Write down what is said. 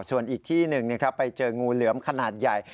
ส่วนอีกที่หนึ่งไปเจองูเหลือมขนาดใหญ่